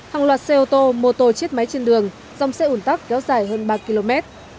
hàng loạt xe ô tô mô tô chết máy trên đường dòng xe ủn tắc kéo dài hơn ba km